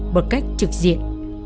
bằng cách trực diện